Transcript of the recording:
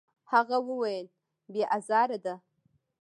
هغه وویل: «بې ازاره ده.»